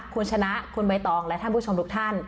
คุณชนะคุณใบตองและท่านผู้ชมทุกท่าน